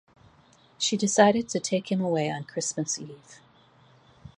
She decided to take him away on Christmas Eve.